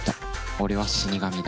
俺は死神だ。